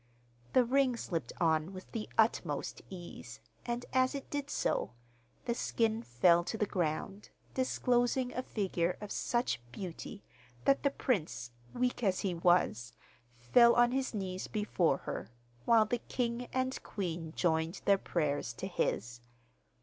The ring slipped on with the utmost ease, and, as it did so, the skin fell to the ground, disclosing a figure of such beauty that the prince, weak as he was, fell on his knees before her, while the king and queen joined their prayers to his.